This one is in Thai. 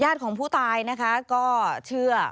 ญาติของผู้ตายก็เชื่อ